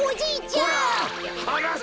はなせ！